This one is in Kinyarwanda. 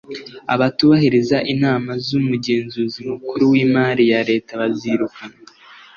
abatubahiriza inama z Umugenzuzi Mukuru w Imari ya Leta bazirukanwa